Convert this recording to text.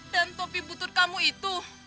dan topi butut kamu itu